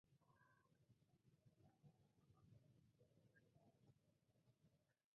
El mismo año, grabó un comercial bajo la dirección de Walter Salles Jr.